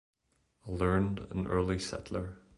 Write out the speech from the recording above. Learned, an early settler.